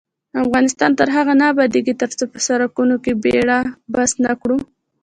افغانستان تر هغو نه ابادیږي، ترڅو په سرکونو کې بیړه بس نکړو.